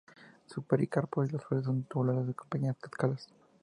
Su pericarpo y las flores son tubulares con pequeñas escalas.